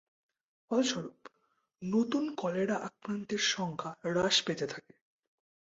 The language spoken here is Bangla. ফলস্বরূপ, নতুন কলেরা আক্রান্তের সংখ্যা হ্রাস পেতে থাকে।